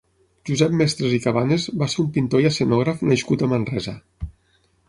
Josep Mestres i Cabanes va ser un pintor i escenògraf nascut a Manresa.